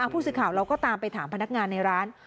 ผู้สื่อข่าวเราก็ตามไปถามพนักงานในร้าน